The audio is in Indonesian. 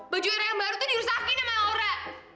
baju ewa yang baru tuh dirusakin sama laura